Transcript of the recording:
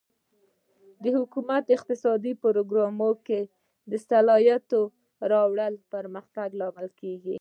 د حکومت په اقتصادي پروګرامونو کې د اصلاحاتو راوړل د پرمختګ لامل کیږي.